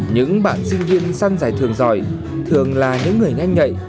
những bạn sinh viên săn giải thường giỏi thường là những người nhanh nhạy